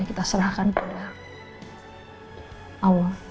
kita serahkan kepada allah